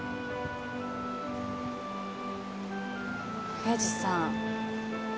刑事さん。